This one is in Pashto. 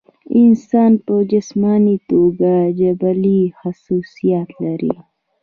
انسان پۀ جسماني توګه جبلي خصوصيات لري